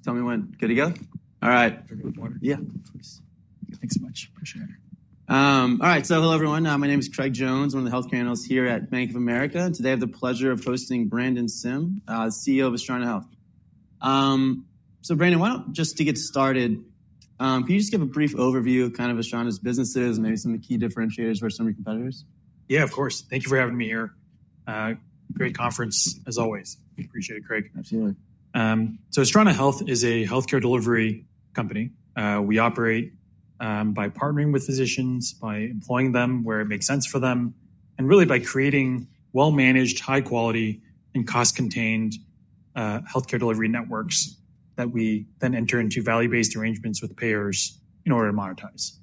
Just tell me when. Good to go? All right. For good water? Yeah. Thanks so much. Appreciate it. All right. Hello, everyone. My name is Craig Jones. I'm one of the health care analysts here at Bank of America. Today I have the pleasure of hosting Brandon Sim, CEO of Astrana Health. Brandon, why don't just to get started, can you just give a brief overview of kind of Astrana's businesses, maybe some of the key differentiators versus some of your competitors? Yeah, of course. Thank you for having me here. Great conference, as always. Appreciate it, Craig. Absolutely. Astrana Health is a health care delivery company. We operate by partnering with physicians, by employing them where it makes sense for them, and really by creating well-managed, high-quality, and cost-contained health care delivery networks that we then enter into value-based arrangements with payers in order to monetize.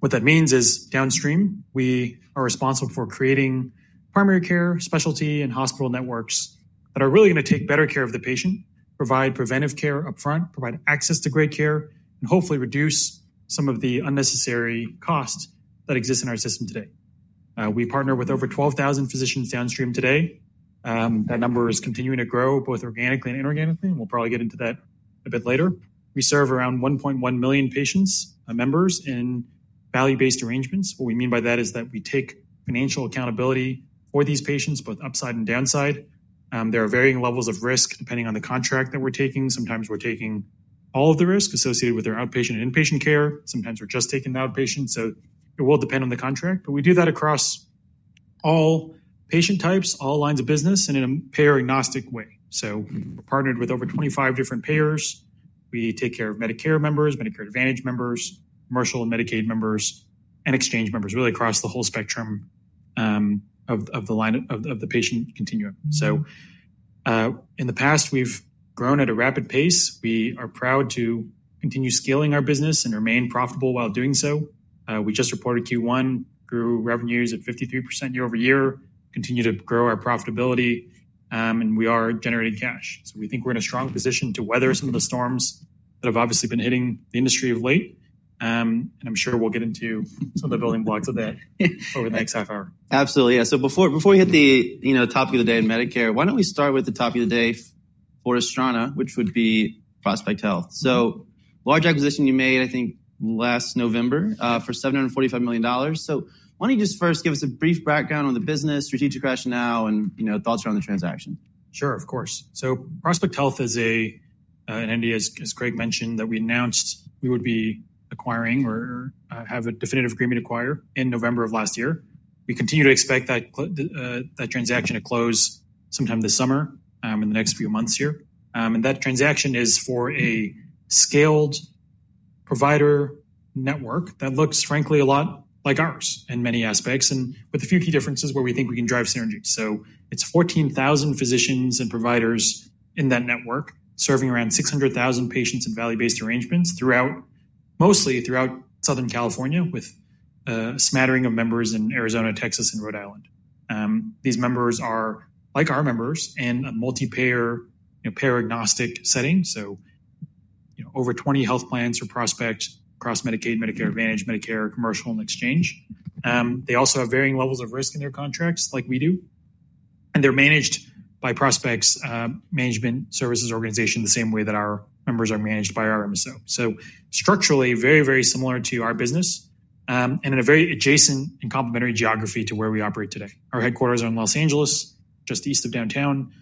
What that means is downstream, we are responsible for creating primary care, specialty, and hospital networks that are really going to take better care of the patient, provide preventive care upfront, provide access to great care, and hopefully reduce some of the unnecessary costs that exist in our system today. We partner with over 12,000 physicians downstream today. That number is continuing to grow, both organically and inorganically, and we'll probably get into that a bit later. We serve around 1.1 million patients, members, in value-based arrangements. What we mean by that is that we take financial accountability for these patients, both upside and downside. There are varying levels of risk depending on the contract that we're taking. Sometimes we're taking all of the risk associated with their outpatient and inpatient care. Sometimes we're just taking the outpatient. It will depend on the contract. We do that across all patient types, all lines of business, and in a payer-agnostic way. We're partnered with over 25 different payers. We take care of Medicare members, Medicare Advantage members, commercial and Medicaid members, and exchange members, really across the whole spectrum of the patient continuum. In the past, we've grown at a rapid pace. We are proud to continue scaling our business and remain profitable while doing so. We just reported Q1, grew revenues at 53% year over year, continue to grow our profitability, and we are generating cash. We think we're in a strong position to weather some of the storms that have obviously been hitting the industry of late. I'm sure we'll get into some of the building blocks of that over the next half hour. Absolutely. Yeah. Before we hit the topic of the day in Medicare, why don't we start with the topic of the day for Astrana, which would be Prospect Health. Large acquisition you made, I think, last November for $745 million. Why don't you just first give us a brief background on the business, strategic rationale, and thoughts around the transaction? Sure, of course. Prospect Health is an entity, as Craig mentioned, that we announced we would be acquiring or have a definitive agreement to acquire in November of last year. We continue to expect that transaction to close sometime this summer in the next few months here. That transaction is for a scaled provider network that looks, frankly, a lot like ours in many aspects, with a few key differences where we think we can drive synergy. It is 14,000 physicians and providers in that network serving around 600,000 patients in value-based arrangements mostly throughout Southern California, with a smattering of members in Arizona, Texas, and Rhode Island. These members are like our members in a multi-payer, payer-agnostic setting. Over 20 health plans are prospects across Medicaid, Medicare Advantage, Medicare, commercial, and exchange. They also have varying levels of risk in their contracts like we do. They're managed by Prospect's management services organization the same way that our members are managed by our MSO. Structurally, very, very similar to our business and in a very adjacent and complementary geography to where we operate today. Our headquarters are in Los Angeles, just east of downtown.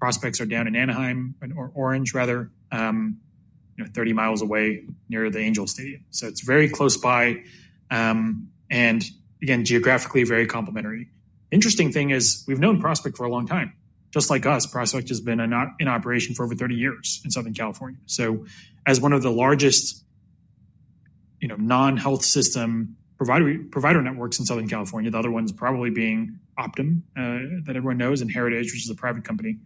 Prospect's are down in Anaheim, or Orange, rather, 30 miles away near the Angel Stadium. It's very close by and, again, geographically very complementary. Interesting thing is we've known Prospect for a long time. Just like us, Prospect has been in operation for over 30 years in Southern California. As one of the largest non-health system provider networks in Southern California, the other ones probably being Optum that everyone knows and Heritage, which is a private company.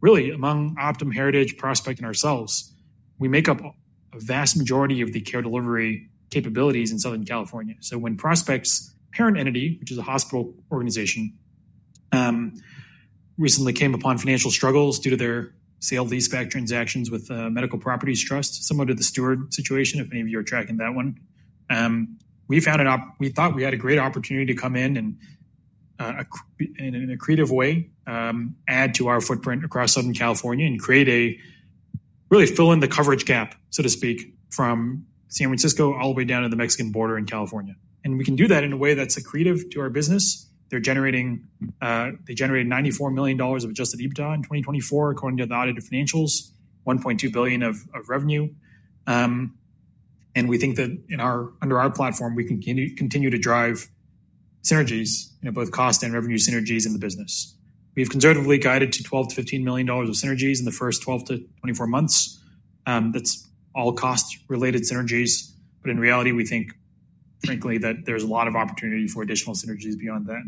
Really, among Optum, Heritage, Prospect, and ourselves, we make up a vast majority of the care delivery capabilities in Southern California. When Prospect's parent entity, which is a hospital organization, recently came upon financial struggles due to their sale lease-back transactions with Medical Properties Trust, similar to the Steward situation, if any of you are tracking that one, we thought we had a great opportunity to come in and, in a creative way, add to our footprint across Southern California and really fill in the coverage gap, so to speak, from San Francisco all the way down to the Mexican border in California. We can do that in a way that's accretive to our business. They generated $94 million of adjusted EBITDA in 2024, according to the audited financials, $1.2 billion of revenue. We think that under our platform, we can continue to drive synergies, both cost and revenue synergies, in the business. We have conservatively guided to $12 million-$15 million of synergies in the first 12-24 months. That is all cost-related synergies. In reality, we think, frankly, that there is a lot of opportunity for additional synergies beyond that.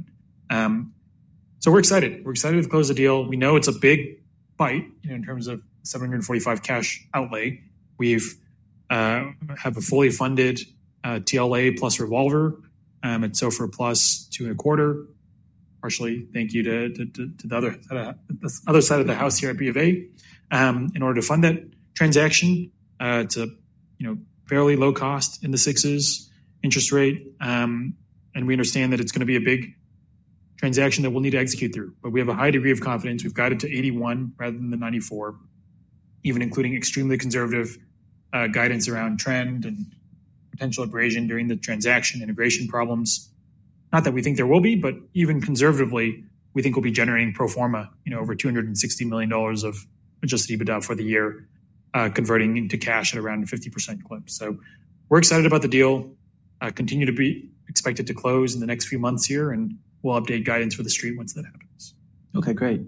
We are excited. We are excited to close the deal. We know it is a big bite in terms of $745 million cash outlay. We have a fully funded TLA plus revolver, and so for a plus two and a quarter, partially thank you to the other side of the house here at B of A, in order to fund that transaction at fairly low cost in the 6% interest rate. We understand that it is going to be a big transaction that we will need to execute through. We have a high degree of confidence. We've guided to 81 rather than the 94, even including extremely conservative guidance around trend and potential abrasion during the transaction integration problems. Not that we think there will be, but even conservatively, we think we'll be generating pro forma over $260 million of adjusted EBITDA for the year, converting into cash at around a 50% clip. We are excited about the deal. Continue to be expected to close in the next few months here, and we'll update guidance for the street once that happens. OK, great.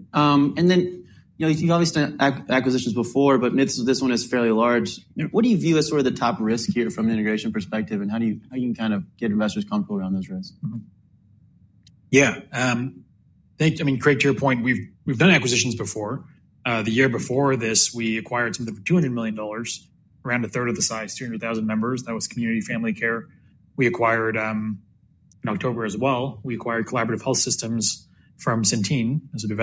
You've obviously done acquisitions before, but this one is fairly large. What do you view as sort of the top risk here from an integration perspective, and how do you kind of get investors comfortable around those risks? Yeah. I mean, Craig, to your point, we've done acquisitions before. The year before this, we acquired something for $200 million, around a third of the size, 200,000 members. That was Community Family Care. In October as well, we acquired Collaborative Health Systems from Centene as the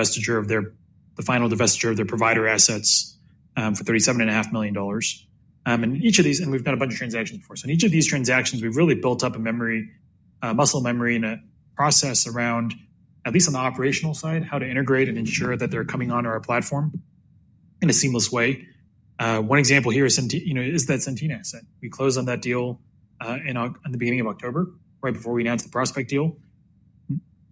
final divestiture of their provider assets for $37.5 million. We've done a bunch of transactions before. In each of these transactions, we've really built up a muscle memory and a process around, at least on the operational side, how to integrate and ensure that they're coming on our platform in a seamless way. One example here is that Centene asset. We closed on that deal in the beginning of October, right before we announced the Prospect deal.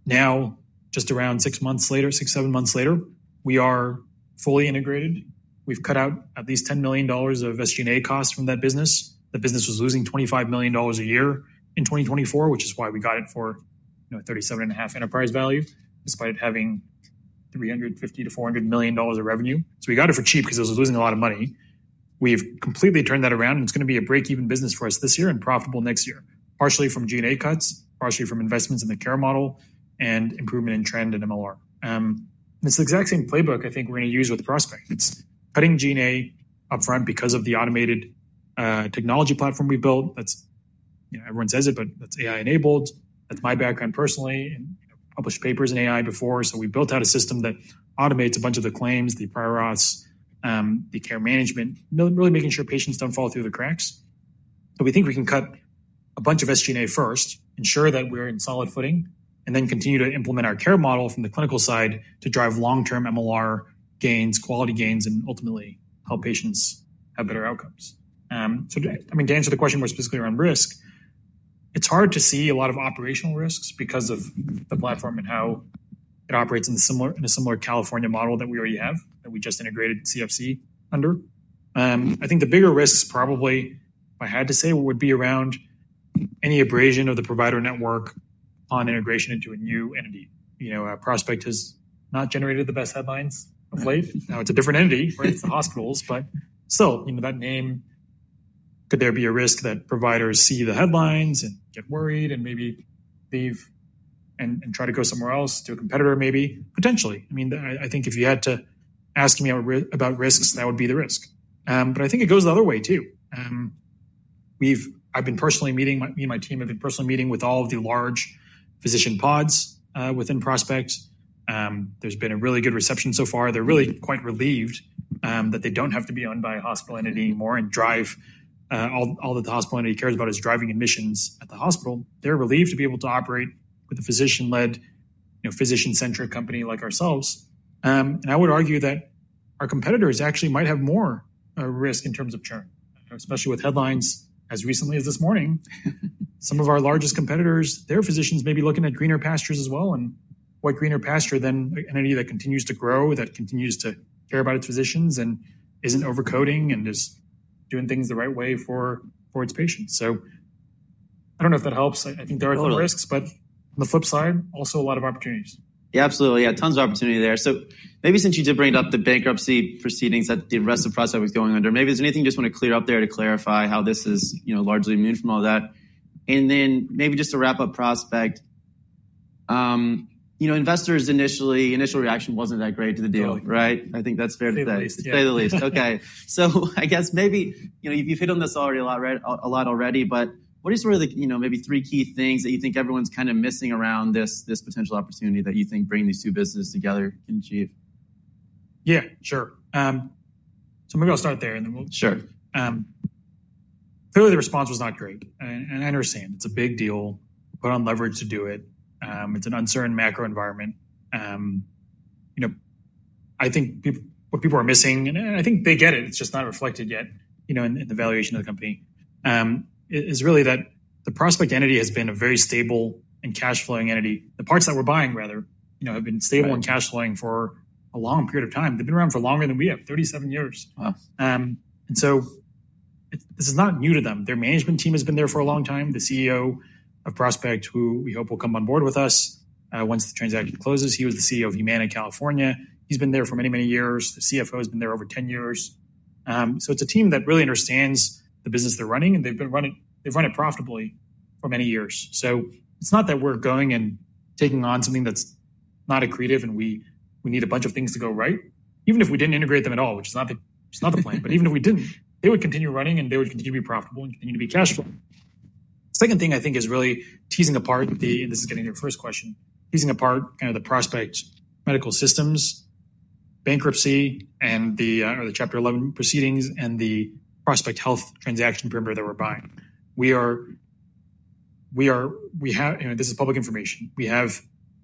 Now, just around six months later, six, seven months later, we are fully integrated. We've cut out at least $10 million of SG&A costs from that business. The business was losing $25 million a year in 2024, which is why we got it for $37.5 million enterprise value, despite having $350 million-$400 million of revenue. So we got it for cheap because it was losing a lot of money. We've completely turned that around, and it's going to be a break-even business for us this year and profitable next year, partially from G&A cuts, partially from investments in the care model, and improvement in trend and MLR. It's the exact same playbook I think we're going to use with the prospect. It's cutting G&A upfront because of the automated technology platform we built. Everyone says it, but that's AI-enabled. That's my background personally. I've published papers in AI before. We built out a system that automates a bunch of the claims, the prior auths, the care management, really making sure patients do not fall through the cracks. We think we can cut a bunch of SG&A first, ensure that we are in solid footing, and then continue to implement our care model from the clinical side to drive long-term MLR gains, quality gains, and ultimately help patients have better outcomes. I mean, to answer the question more specifically around risk, it is hard to see a lot of operational risks because of the platform and how it operates in a similar California model that we already have that we just integrated CFC under. I think the bigger risks, probably, if I had to say, would be around any abrasion of the provider network on integration into a new entity. Prospect has not generated the best headlines of late. Now, it's a different entity. It's the hospitals. Still, that name, could there be a risk that providers see the headlines and get worried and maybe leave and try to go somewhere else to a competitor, maybe? Potentially. I mean, I think if you had to ask me about risks, that would be the risk. I think it goes the other way, too. I've been personally meeting, me and my team have been personally meeting with all of the large physician pods within Prospect. There's been a really good reception so far. They're really quite relieved that they don't have to be owned by a hospital entity anymore and drive all that the hospital entity cares about, which is driving admissions at the hospital. They're relieved to be able to operate with a physician-led, physician-centric company like ourselves. I would argue that our competitors actually might have more risk in terms of churn, especially with headlines as recently as this morning. Some of our largest competitors, their physicians may be looking at greener pastures as well. What greener pasture than an entity that continues to grow, that continues to care about its physicians, and is not overcoding, and is doing things the right way for its patients. I do not know if that helps. I think there are a lot of risks, but on the flip side, also a lot of opportunities. Yeah, absolutely. Yeah, tons of opportunity there. Maybe since you did bring it up, the bankruptcy proceedings that the rest of Prospect was going under, maybe there's anything you just want to clear up there to clarify how this is largely immune from all that. Maybe just to wrap up Prospect, investors' initial reaction wasn't that great to the deal, right? I think that's fair to say. Say the least. Say the least. OK. I guess maybe you've hit on this already a lot already, but what are sort of the maybe three key things that you think everyone's kind of missing around this potential opportunity that you think bringing these two businesses together can achieve? Yeah, sure. Maybe I'll start there, and then we'll. Sure. Clearly, the response was not great. I understand. It's a big deal. Put on leverage to do it. It's an uncertain macro environment. I think what people are missing, and I think they get it. It's just not reflected yet in the valuation of the company. What is really that the Prospect entity has been a very stable and cash-flowing entity. The parts that we're buying, rather, have been stable and cash-flowing for a long period of time. They've been around for longer than we have, 37 years. Wow. This is not new to them. Their management team has been there for a long time. The CEO of Prospect, who we hope will come on board with us once the transaction closes, he was the CEO of Humana California. He's been there for many, many years. The CFO has been there over 10 years. It is a team that really understands the business they're running, and they've run it profitably for many years. It is not that we're going and taking on something that's not accretive and we need a bunch of things to go right. Even if we did not integrate them at all, which is not the plan, but even if we did not, they would continue running, and they would continue to be profitable and continue to be cash-flowing. The second thing I think is really teasing apart the, and this is getting to your first question, teasing apart kind of the Prospect Medical Systems bankruptcy or the Chapter 11 proceedings and the Prospect Health transaction perimeter that we're buying. This is public information. We have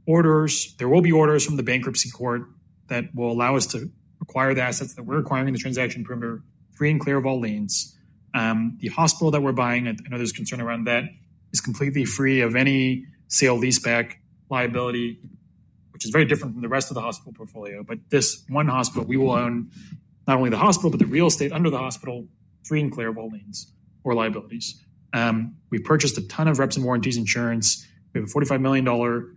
orders. There will be orders from the bankruptcy court that will allow us to acquire the assets that we're acquiring in the transaction perimeter, free and clear of all liens. The hospital that we're buying, I know there's concern around that, is completely free of any sale lease-back liability, which is very different from the rest of the hospital portfolio. This one hospital, we will own not only the hospital, but the real estate under the hospital free and clear of all liens or liabilities. We've purchased a ton of reps and warranties insurance. We have a $45 million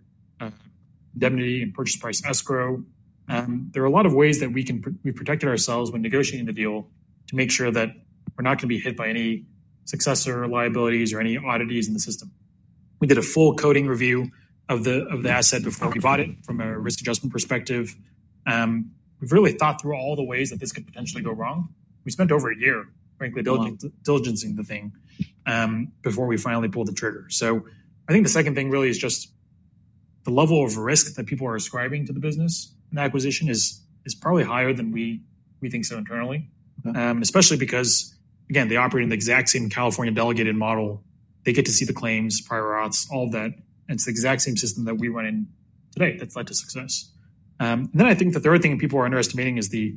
indemnity and purchase price escrow. There are a lot of ways that we've protected ourselves when negotiating the deal to make sure that we're not going to be hit by any successor liabilities or any oddities in the system. We did a full coding review of the asset before we bought it from a risk adjustment perspective. We've really thought through all the ways that this could potentially go wrong. We spent over a year, frankly, diligencing the thing before we finally pulled the trigger. I think the second thing really is just the level of risk that people are ascribing to the business in the acquisition is probably higher than we think internally, especially because, again, they operate in the exact same California delegated model. They get to see the claims, prior auths, all of that. It is the exact same system that we run in today that's led to success. I think the third thing people are underestimating is the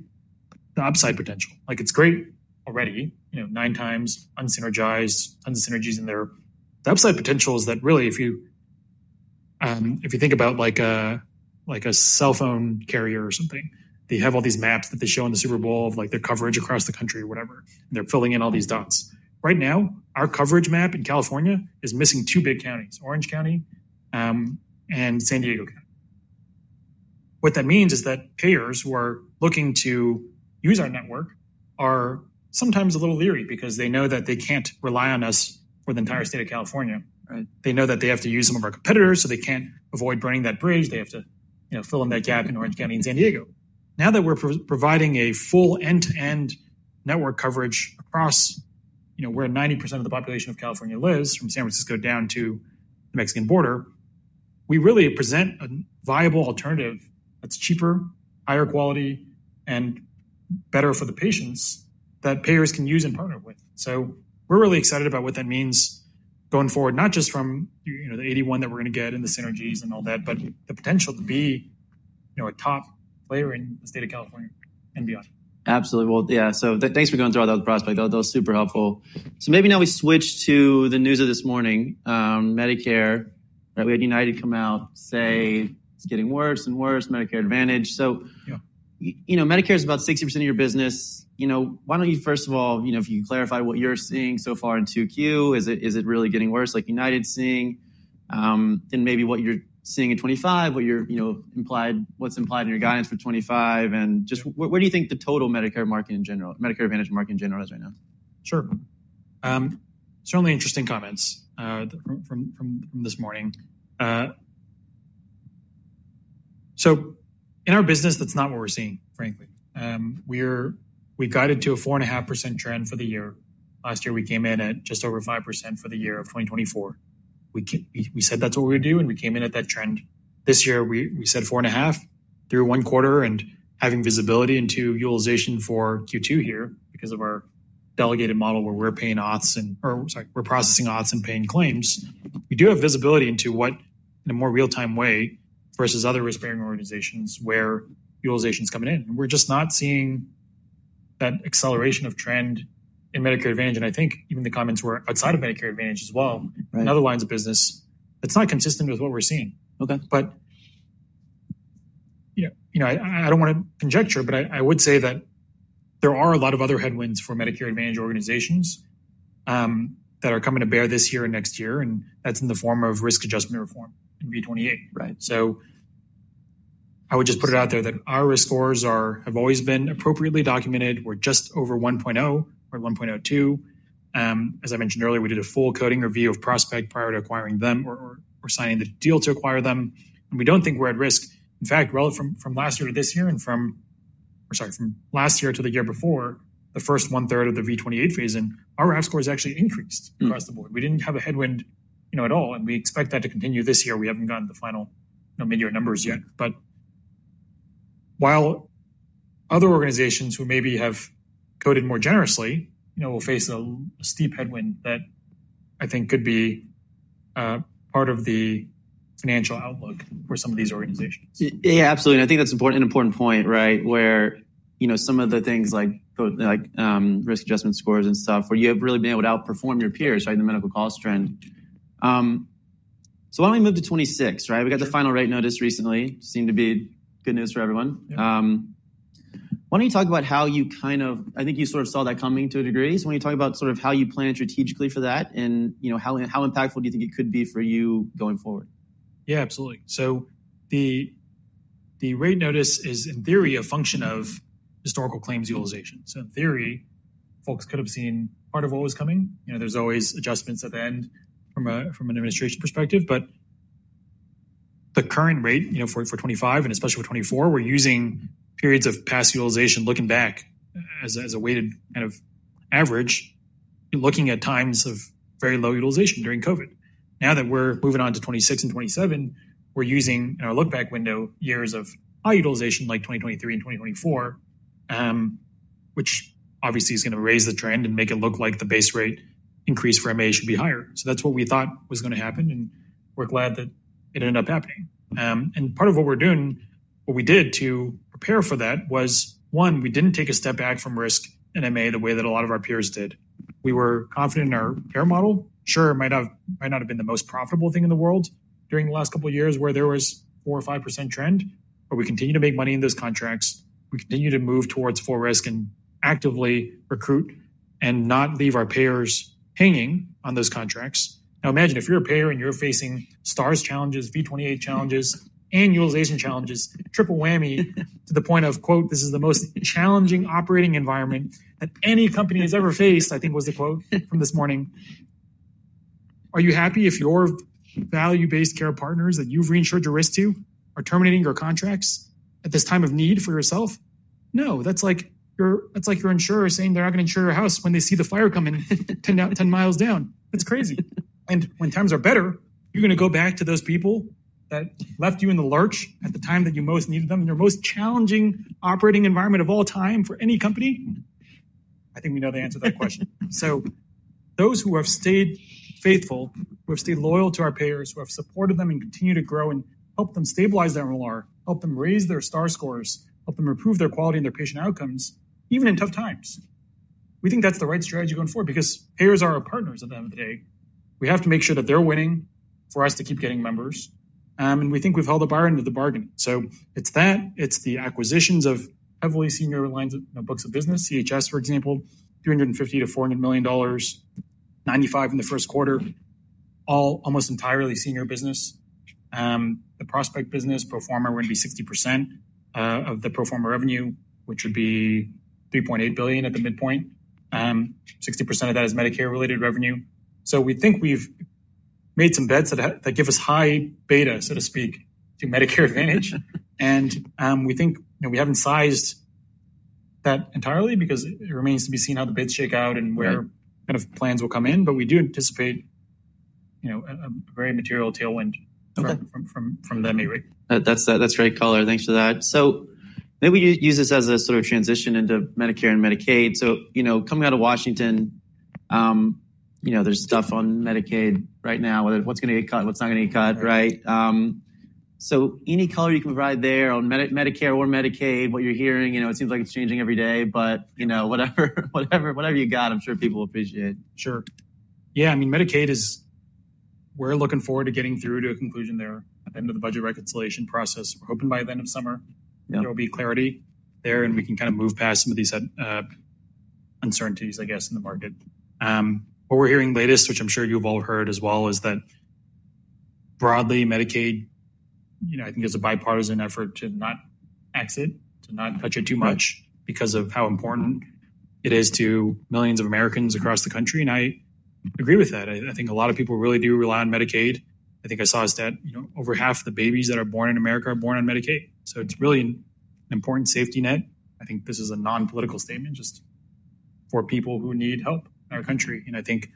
upside potential. It's great already, nine times unsynergized, tons of synergies in there. The upside potential is that really, if you think about a cell phone carrier or something, they have all these maps that they show in the Super Bowl of their coverage across the country or whatever, and they're filling in all these dots. Right now, our coverage map in California is missing two big counties, Orange County and San Diego. What that means is that payers who are looking to use our network are sometimes a little leery because they know that they can't rely on us for the entire state of California. They know that they have to use some of our competitors, so they can't avoid burning that bridge. They have to fill in that gap in Orange County and San Diego. Now that we're providing a full end-to-end network coverage across where 90% of the population of California lives, from San Francisco down to the Mexican border, we really present a viable alternative that's cheaper, higher quality, and better for the patients that payers can use and partner with. We're really excited about what that means going forward, not just from the 81 that we're going to get and the synergies and all that, but the potential to be a top player in the state of California and beyond. Absolutely. Yeah. Thanks for going through all that with Prospect. That was super helpful. Maybe now we switch to the news of this morning, Medicare. We had United come out, say it's getting worse and worse, Medicare Advantage. Medicare is about 60% of your business. Why don't you, first of all, if you can clarify what you're seeing so far in 2Q, is it really getting worse like United's seeing? Maybe what you're seeing in 2025, what's implied in your guidance for 2025? Just where do you think the total Medicare market in general, Medicare Advantage market in general is right now? Sure. Certainly interesting comments from this morning. In our business, that's not what we're seeing, frankly. We guided to a 4.5% trend for the year. Last year, we came in at just over 5% for the year of 2024. We said that's what we would do, and we came in at that trend. This year, we said 4.5% through one quarter and having visibility into utilization for Q2 here because of our delegated model where we're processing auths and paying claims. We do have visibility into what, in a more real-time way versus other risk-bearing organizations, where utilization is coming in. We're just not seeing that acceleration of trend in Medicare Advantage. I think even the comments were outside of Medicare Advantage as well, other lines of business, that's not consistent with what we're seeing. I do not want to conjecture, but I would say that there are a lot of other headwinds for Medicare Advantage organizations that are coming to bear this year and next year, and that is in the form of risk adjustment reform in v28. I would just put it out there that our risk scores have always been appropriately documented. We are just over 1.0 or 1.02. As I mentioned earlier, we did a full coding review of Prospect prior to acquiring them or signing the deal to acquire them. We do not think we are at risk. In fact, from last year to this year and from, sorry, from last year to the year before, the first one-third of the v28 phase, our RAF score has actually increased across the board. We did not have a headwind at all, and we expect that to continue this year. We haven't gotten the final mid-year numbers yet. While other organizations who maybe have coded more generously will face a steep headwind that I think could be part of the financial outlook for some of these organizations. Yeah, absolutely. I think that is an important point, right, where some of the things like risk adjustment scores and stuff where you have really been able to outperform your peers in the medical cost trend. Why do we not move to 2026, right? We got the final rate notice recently. Seemed to be good news for everyone. Why do you not talk about how you kind of, I think you sort of saw that coming to a degree. When you talk about sort of how you plan strategically for that and how impactful do you think it could be for you going forward? Yeah, absolutely. The rate notice is, in theory, a function of historical claims utilization. In theory, folks could have seen part of what was coming. There are always adjustments at the end from an administration perspective. The current rate for 2025, and especially for 2024, uses periods of past utilization looking back as a weighted kind of average, looking at times of very low utilization during COVID. Now that we are moving on to 2026 and 2027, we are using in our look-back window years of high utilization like 2023 and 2024, which obviously is going to raise the trend and make it look like the base rate increase for MA should be higher. That is what we thought was going to happen, and we are glad that it ended up happening. Part of what we're doing, what we did to prepare for that was, one, we didn't take a step back from risk in MA the way that a lot of our peers did. We were confident in our care model. Sure, it might not have been the most profitable thing in the world during the last couple of years where there was a 4% or 5% trend, but we continue to make money in those contracts. We continue to move towards full risk and actively recruit and not leave our payers hanging on those contracts. Now imagine if you're a payer and you're facing STARS challenges, v28 challenges, and utilization challenges, triple whammy to the point of, quote, "This is the most challenging operating environment that any company has ever faced," I think was the quote from this morning. Are you happy if your value-based care partners that you've reinsured your risk to are terminating your contracts at this time of need for yourself? No, that's like your insurer saying they're not going to insure your house when they see the fire coming 10 miles down. That's crazy. When times are better, you're going to go back to those people that left you in the lurch at the time that you most needed them in your most challenging operating environment of all time for any company? I think we know the answer to that question. Those who have stayed faithful, who have stayed loyal to our payers, who have supported them and continue to grow and help them stabilize their OLR, help them raise their STAR scores, help them improve their quality and their patient outcomes, even in tough times, we think that's the right strategy going forward because payers are our partners at the end of the day. We have to make sure that they're winning for us to keep getting members. We think we've held a bar in with the bargaining. It is that. It is the acquisitions of heavily senior lines of books of business, CHS, for example, $350 million-$400 million, $95 million in the first quarter, all almost entirely senior business. The Prospect business, Proforma, would be 60% of the Proforma revenue, which would be $3.8 billion at the midpoint. 60% of that is Medicare-related revenue. We think we've made some bets that give us high beta, so to speak, to Medicare Advantage. We think we haven't sized that entirely because it remains to be seen how the bids shake out and where kind of plans will come in. We do anticipate a very material tailwind from the MA rate. That's great, Caller. Thanks for that. Maybe we use this as a sort of transition into Medicare and Medicaid. Coming out of Washington, there's stuff on Medicaid right now, what's going to get cut, what's not going to get cut, right? Any color you can provide there on Medicare or Medicaid, what you're hearing, it seems like it's changing every day, but whatever you got, I'm sure people appreciate it. Sure. Yeah, I mean, Medicaid is, we're looking forward to getting through to a conclusion there at the end of the budget reconciliation process. We're hoping by the end of summer, there will be clarity there and we can kind of move past some of these uncertainties, I guess, in the market. What we're hearing latest, which I'm sure you've all heard as well, is that broadly, Medicaid, I think it's a bipartisan effort to not exit, to not touch it too much because of how important it is to millions of Americans across the country. I agree with that. I think a lot of people really do rely on Medicaid. I think I saw a stat. Over half the babies that are born in America are born on Medicaid. It is really an important safety net. I think this is a non-political statement just for people who need help in our country. I think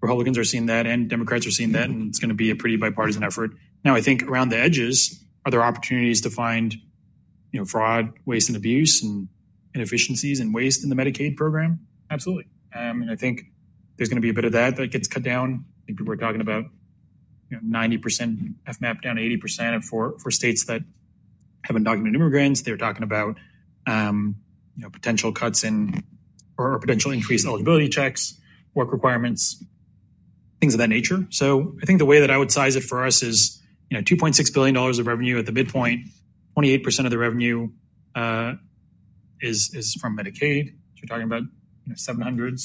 Republicans are seeing that and Democrats are seeing that, and it's going to be a pretty bipartisan effort. Now, I think around the edges, are there opportunities to find fraud, waste and abuse, and inefficiencies and waste in the Medicaid program? Absolutely. I think there's going to be a bit of that that gets cut down. I think people are talking about 90% FMAP down to 80% for states that have undocumented immigrants. They're talking about potential cuts in or potential increased eligibility checks, work requirements, things of that nature. I think the way that I would size it for us is $2.6 billion of revenue at the midpoint. 28% of the revenue is from Medicaid. You're talking about $700 million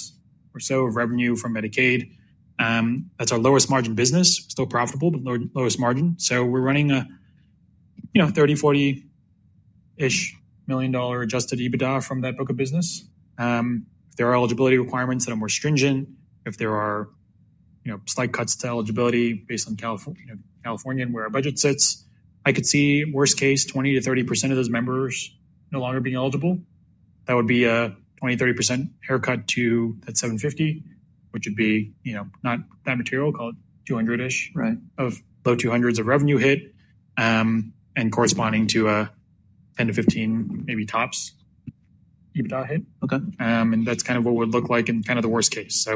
or so of revenue from Medicaid. That's our lowest margin business. Still profitable, but lowest margin. So we're running a $30-$40 million adjusted EBITDA from that book of business. If there are eligibility requirements that are more stringent, if there are slight cuts to eligibility based on California and where our budget sits, I could see worst case 20%-30% of those members no longer being eligible. That would be a 20%-30% haircut to that 750, which would be not that material, call it $200 million-ish of low $200 millions of revenue hit and corresponding to a $10-$15 million maybe tops EBITDA hit. That's kind of what would look like in kind of the worst case.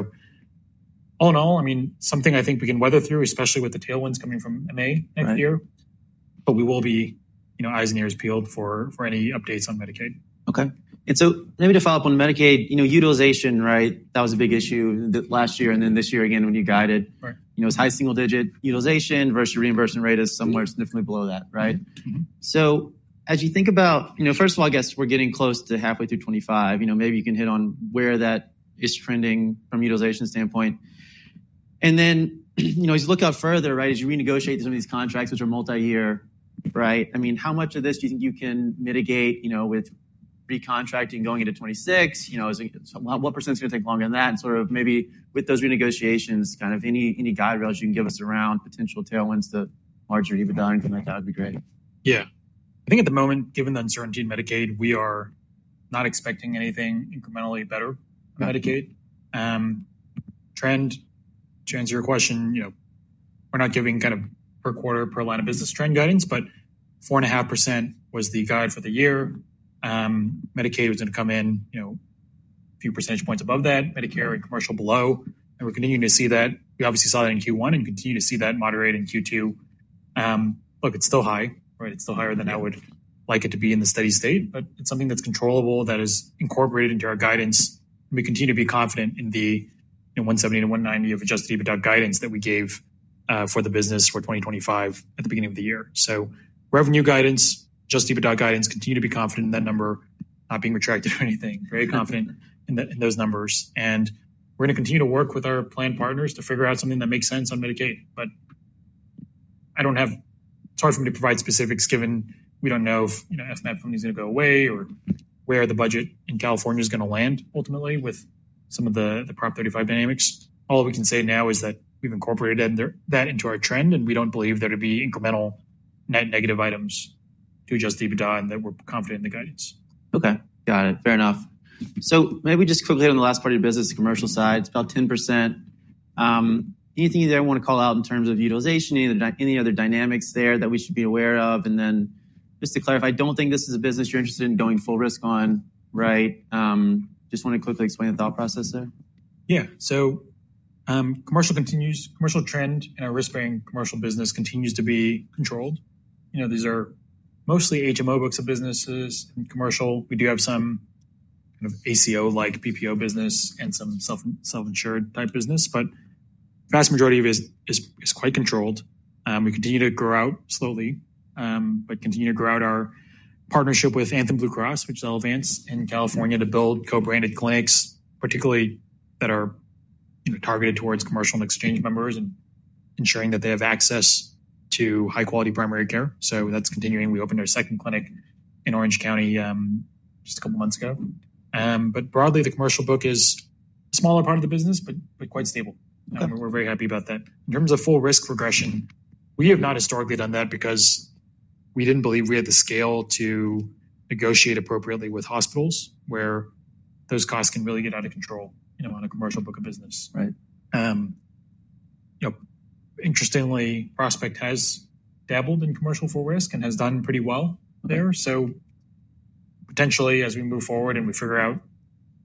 All in all, I mean, something I think we can weather through, especially with the tailwinds coming from MA next year, but we will be eyes and ears peeled for any updates on Medicaid. Okay. Maybe to follow up on Medicaid utilization, right? That was a big issue last year and then this year again when you guided. It was high single-digit utilization versus reimbursement rate is somewhere significantly below that, right? As you think about, first of all, I guess we're getting close to halfway through 2025. Maybe you can hit on where that is trending from a utilization standpoint. As you look out further, right, as you renegotiate some of these contracts, which are multi-year, right? I mean, how much of this do you think you can mitigate with recontracting going into 2026? What % is going to take longer than that? Maybe with those renegotiations, any guide rails you can give us around potential tailwinds to larger EBITDA and things like that would be great. Yeah. I think at the moment, given the uncertainty in Medicaid, we are not expecting anything incrementally better on Medicaid. Trend, to answer your question, we're not giving kind of per quarter, per line of business trend guidance, but 4.5% was the guide for the year. Medicaid was going to come in a few percentage points above that, Medicare and commercial below. We are continuing to see that. We obviously saw that in Q1 and continue to see that moderate in Q2. Look, it's still high, right? It's still higher than I would like it to be in the steady state, but it's something that's controllable that is incorporated into our guidance. We continue to be confident in the $170-$190 of adjusted EBITDA guidance that we gave for the business for 2025 at the beginning of the year. Revenue guidance, adjusted EBITDA guidance, continue to be confident in that number, not being retracted or anything. Very confident in those numbers. We are going to continue to work with our planned partners to figure out something that makes sense on Medicaid. I do not have, it is hard for me to provide specifics given we do not know if FMAP funding is going to go away or where the budget in California is going to land ultimately with some of the Prop 35 dynamics. All we can say now is that we have incorporated that into our trend and we do not believe there to be incremental net negative items to adjust EBITDA and that we are confident in the guidance. Okay. Got it. Fair enough. Maybe just quickly on the last part of the business, the commercial side, it's about 10%. Anything you want to call out in terms of utilization, any other dynamics there that we should be aware of? Just to clarify, I don't think this is a business you're interested in going full risk on, right? Just want to quickly explain the thought process there. Yeah. Commercial continues, commercial trend in our risk-bearing commercial business continues to be controlled. These are mostly HMO books of businesses and commercial. We do have some kind of ACO-like BPO business and some self-insured type business, but the vast majority of it is quite controlled. We continue to grow out slowly, but continue to grow out our partnership with Anthem Blue Cross, which is Elevance in California, to build co-branded clinics, particularly that are targeted towards commercial and exchange members and ensuring that they have access to high-quality primary care. That is continuing. We opened our second clinic in Orange County just a couple of months ago. Broadly, the commercial book is a smaller part of the business, but quite stable. We're very happy about that. In terms of full risk regression, we have not historically done that because we did not believe we had the scale to negotiate appropriately with hospitals where those costs can really get out of control on a commercial book of business. Interestingly, Prospect has dabbled in commercial full risk and has done pretty well there. Potentially as we move forward and we figure out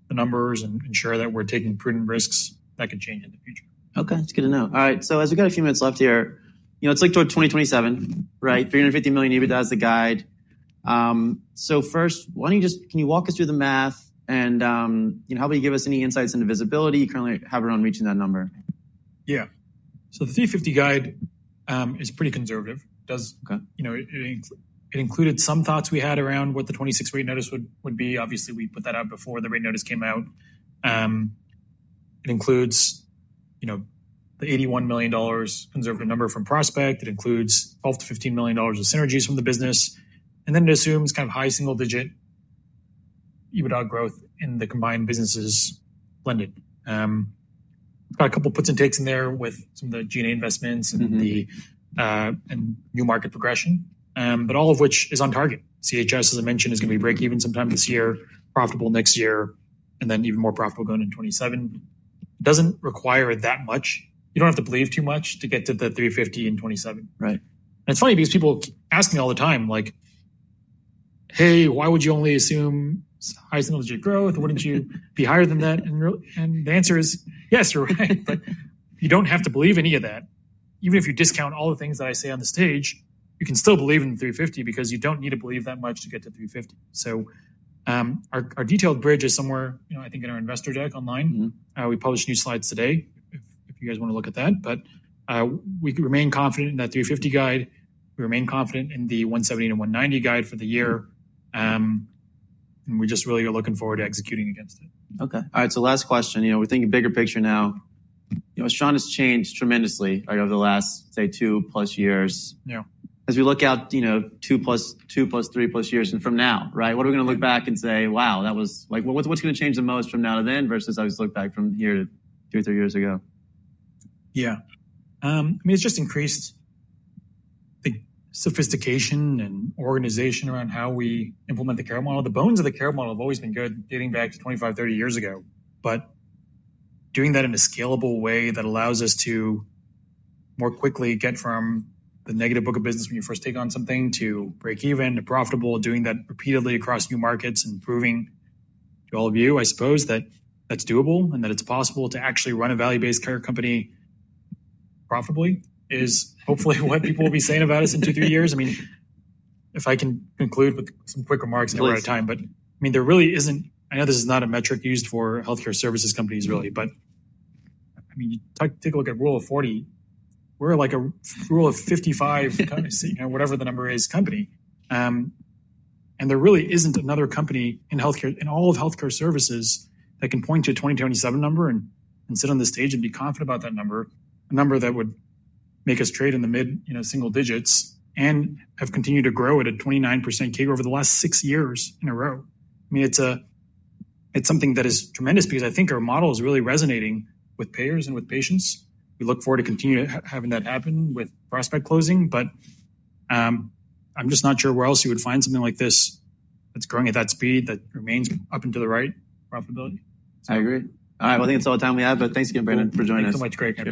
the numbers and ensure that we are taking prudent risks, that could change in the future. Okay. That's good to know. All right. As we got a few minutes left here, it's like toward 2027, right? $350 million EBITDA as the guide. First, why don't you just, can you walk us through the math and how about you give us any insights into visibility you currently have around reaching that number. Yeah. The 350 guide is pretty conservative. It included some thoughts we had around what the 2026 rate notice would be. Obviously, we put that out before the rate notice came out. It includes the $81 million conservative number from Prospect. It includes $12-$15 million of synergies from the business. It assumes kind of high single-digit EBITDA growth in the combined businesses blended. Got a couple of puts and takes in there with some of the G&A investments and new market progression, but all of which is on target. CHS, as I mentioned, is going to be break-even sometime this year, profitable next year, and then even more profitable going into 2027. It does not require that much. You do not have to believe too much to get to the 350 in 2027. It's funny because people ask me all the time, like, "Hey, why would you only assume high single-digit growth? Wouldn't you be higher than that?" The answer is, yes, you're right, but you don't have to believe any of that. Even if you discount all the things that I say on the stage, you can still believe in the 350 because you don't need to believe that much to get to 350. Our detailed bridge is somewhere, I think, in our investor deck online. We published new slides today if you guys want to look at that. We remain confident in that 350 guide. We remain confident in the 170-190 guide for the year. We just really are looking forward to executing against it. Okay. All right. So last question. We're thinking bigger picture now. As China has changed tremendously over the last, say, two plus years, as we look out two plus three plus years from now, right? What are we going to look back and say, "Wow, that was like, what's going to change the most from now to then versus I always look back from here to two or three years ago? Yeah. I mean, it's just increased the sophistication and organization around how we implement the care model. The bones of the care model have always been good dating back to 25, 30 years ago. But doing that in a scalable way that allows us to more quickly get from the negative book of business when you first take on something to break even to profitable, doing that repeatedly across new markets and proving to all of you, I suppose, that that's doable and that it's possible to actually run a value-based care company profitably is hopefully what people will be saying about us in two, three years. I mean, if I can conclude with some quick remarks, I'm out of time. I mean, there really isn't, I know this is not a metric used for healthcare services companies really, but I mean, take a look at rule of 40. We're like a rule of 55, whatever the number is, company. There really isn't another company in healthcare, in all of healthcare services that can point to a 2027 number and sit on the stage and be confident about that number, a number that would make us trade in the mid single digits and have continued to grow at a 29% CAGR over the last six years in a row. I mean, it's something that is tremendous because I think our model is really resonating with payers and with patients. We look forward to continuing to have that happen with Prospect closing, but I'm just not sure where else you would find something like this that's growing at that speed that remains up into the right profitability. I agree. All right. I think that's all the time we have, but thanks again, Brandon, for joining us. Thanks so much, Craig.